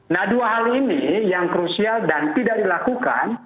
nah dua hal ini yang krusial dan tidak dilakukan